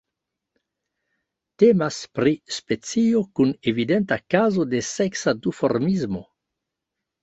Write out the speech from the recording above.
Temas pri specio kun evidenta kazo de seksa duformismo.